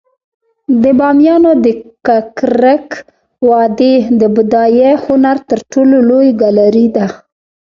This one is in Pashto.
د بامیانو د ککرک وادي د بودايي هنر تر ټولو لوی ګالري ده